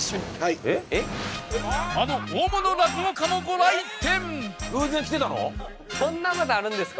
あの大物落語家もご来店！